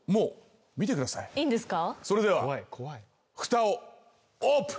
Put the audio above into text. それではふたをオープン。